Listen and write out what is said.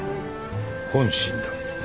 本心だ。